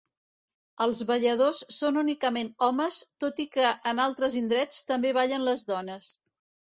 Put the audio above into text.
Els balladors són únicament homes tot i que en altres indrets també ballen les dones.